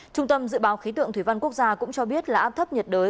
trung tâm dự báo khí tượng thủy văn quốc gia cũng cho biết là áp thấp nhiệt đới